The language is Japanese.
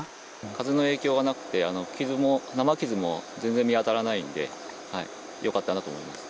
風の影響がなくて、傷も、生傷も全然見当たらないんで、よかったなと思います。